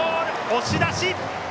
押し出し。